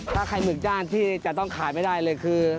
ถ้าใครหมึกจ้านที่จะต้องขายไม่ได้เลยคือ